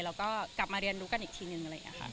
เราก็กลับมาเรียนรู้กันอีกทีหนึ่ง